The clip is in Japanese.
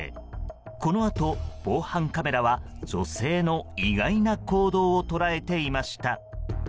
このあと、防犯カメラは女性の意外な行動を捉えていました。